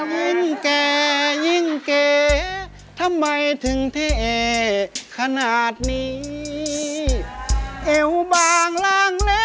มันดีกว่านี้ต่อจากนั้นจะดีหรือ